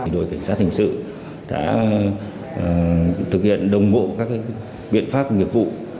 đội cảnh sát thành sự đã thực hiện đồng bộ các biện pháp nghiệp vụ